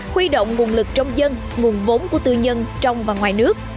huy động nguồn lực trong dân nguồn vốn của tư nhân trong và ngoài nước